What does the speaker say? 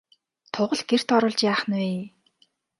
Тугал гэрт оруулж яах нь вэ?